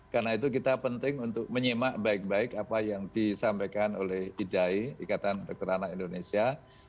karena itu kita penting untuk menyimak baik baik apa yang disampaikan oleh idai ikatan dokter anak indonesia